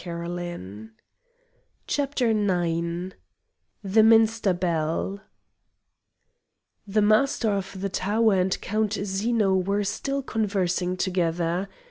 CHAPTER IX The Minster Bell The Master of the tower and Count Zeno were still conversing together.